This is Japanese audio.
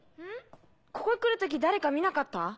・ここ来る時誰か見なかった？